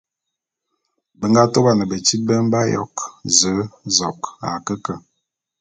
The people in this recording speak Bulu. Be nga tôban betít be mbe ayok: Ze, zok...